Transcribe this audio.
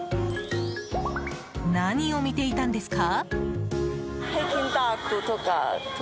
何を見ていたんですか？